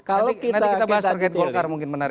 nanti kita bahas terkait golkar mungkin menarik